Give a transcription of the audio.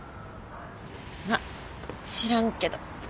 まっ知らんけど。